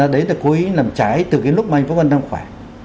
đấy là cố ý làm trái từ cái lúc mà anh vẫn đang khỏe